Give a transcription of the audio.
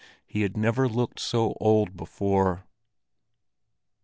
He had never looked so old before.